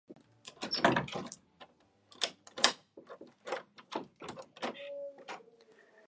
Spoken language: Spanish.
En los Estados Unidos, Santucho participó de debates y conferencias en algunas universidades.